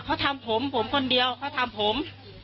เขาทำผมผมคนเดียวเขาทำผม